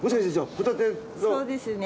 そうですね。